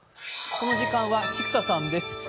この時間は千種さんです。